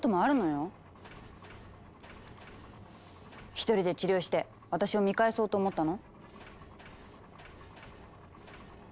一人で治療して私を見返そうと思ったの？